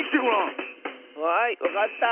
はいわかった！